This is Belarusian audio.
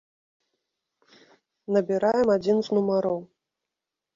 Набіраем адзін з нумароў.